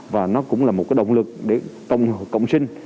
và nó cũng là một cái động lực để tổng hợp cộng sinh